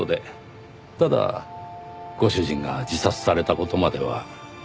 ただご主人が自殺された事までは。